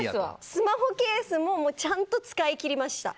スマホケースもちゃんと使い切りました。